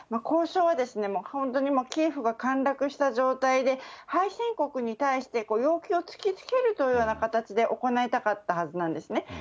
交渉はもう本当に、キエフが陥落した状態で、敗戦国に対して、要求を突きつけるというような形で行いたかったはずなんですね。